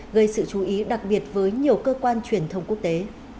gây sự chú ý đặc biệt với nhiều cơ quan truyền thông quốc tế